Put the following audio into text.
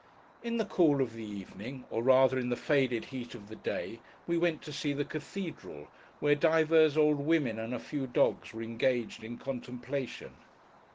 In the cool of the evening: or rather in the faded heat of the day: we went to see the Cathedral, where divers old women, and a few dogs, were engaged in contemplation.